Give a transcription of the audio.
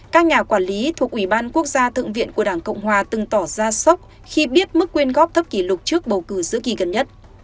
các nhà quản lý thuộc ủy ban quốc gia thượng viện của đảng cộng hòa từng tỏ ra sốc khi biết mức quyên góp thấp kỷ lục trước bầu cử giữa kỳ gần nhất